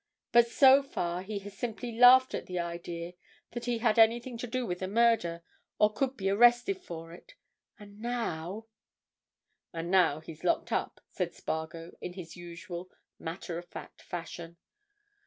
But so far he has simply laughed at the idea that he had anything to do with the murder, or could be arrested for it, and now——" "And now he's locked up," said Spargo in his usual matter of fact fashion.